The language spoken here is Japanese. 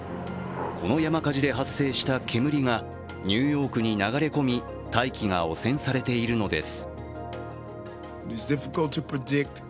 この山火事で発生した煙がニューヨークに流れ込み大気が汚染されているのです。